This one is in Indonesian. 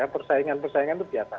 persaingan persaingan itu biasa